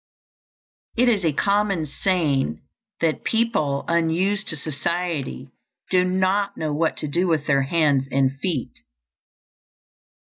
It is a common saying that people unused to society do not know what to do with their hands and feet.